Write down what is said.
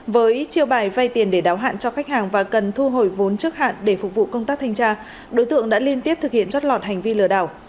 với chiêu bài vay tiền để đáo hạn cho khách hàng và cần thu hồi vốn trước hạn để phục vụ công tác thanh tra đối tượng đã liên tiếp thực hiện trót lọt hành vi lừa đảo